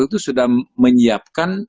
itu sudah menyiapkan